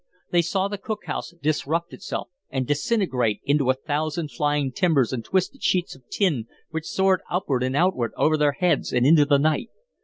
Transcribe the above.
They saw the cook house disrupt itself and disintegrate into a thousand flying timbers and twisted sheets of tin which soared upward and outward over their heads and into the night.